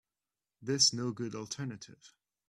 This no good alternative.